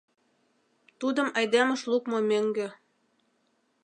Тудым айдемыш лукмо мӧҥгӧ.